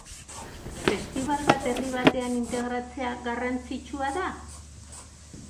Festibal bat herri batean integratzea garrantzitsua da?